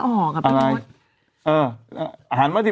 ขออีกทีอ่านอีกที